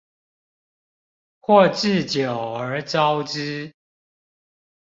或置酒而招之